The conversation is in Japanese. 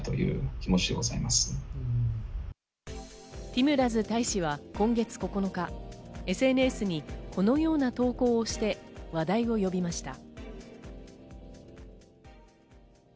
ティムラズ大使は今月９日、ＳＮＳにこのような投稿をして話題を呼びました。